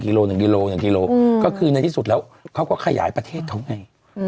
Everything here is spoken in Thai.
โล๑กิโล๑กิโลก็คือในที่สุดแล้วเขาก็ขยายประเทศเขาไง